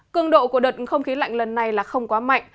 cương độ của đợt không khí lạnh lần này là không quá mạnh